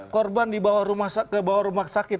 korban dibawa rumah sakit